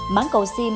mãn cầu sim